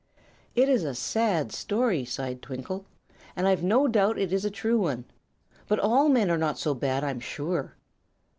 "It's a sad story," sighed Twinkle, "and I've no doubt it is a true one. But all men are not so bad, I'm sure."